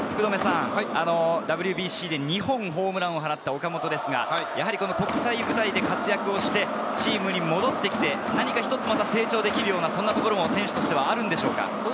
ＷＢＣで２本ホームランを放った岡本ですが、国際舞台で活躍をしてチームに戻ってきて、また成長できるような、そんなところもあるのでしょうか。